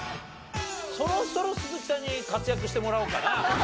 そろそろ鈴木さんに活躍してもらおうかな。